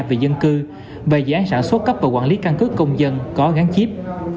về dân cư về dự án sản xuất cấp và quản lý căn cước công dân có gắn chip